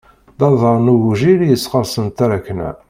D aḍar n ugujil i yesɣersen taṛakna.